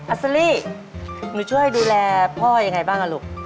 อัสลิหนูช่วยดูแลพ่ออย่างไรบ้างล่ะลูก